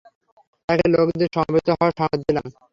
তাঁকে লোকদের সমবেত হওয়ার সংবাদ দিলাম।